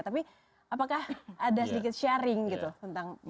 tapi apakah ada sedikit sharing gitu tentang